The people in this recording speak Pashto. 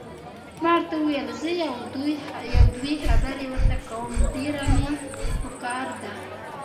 ما ورته وویل: زه یو دوې خبرې ورته کوم، ډېره مې پکار ده.